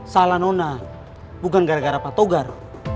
salah nona bukan gara gara patogar